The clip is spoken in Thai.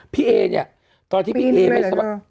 พี่เอเนี่ยตอนที่พี่เอไม่สวัสดิ์